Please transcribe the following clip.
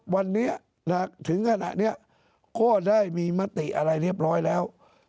วันนี้ถึงขณะนี้ก็ได้มีมติอะไรเรียบร้อยแล้ว